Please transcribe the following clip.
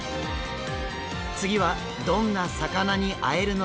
次はどんな魚に会えるのでしょうか。